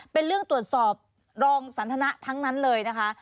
เป็นเรื่องตรวจสอบรองสันทนะทั้งนั้นเลยนะคะ